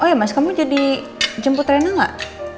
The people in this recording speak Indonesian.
oh ya mas kamu jadi jemput rena nggak